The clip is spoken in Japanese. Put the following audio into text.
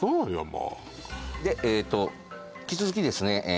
もうで引き続きですね